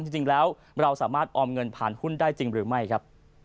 จริงแล้วเราสามารถออมเงินผ่านหุ้นได้จริงหรือไม่ครับ